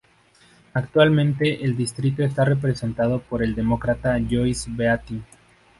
Actualmente el distrito está representado por el Demócrata Joyce Beatty.